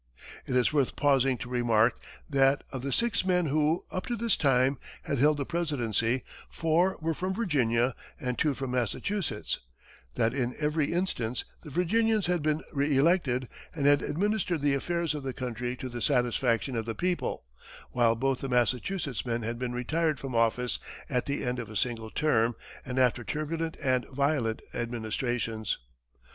It is worth pausing to remark that, of the six men who, up to this time, had held the presidency, four were from Virginia and two from Massachusetts; that, in every instance, the Virginians had been re elected and had administered the affairs of the country to the satisfaction of the people, while both the Massachusetts men had been retired from office at the end of a single term, and after turbulent and violent administrations.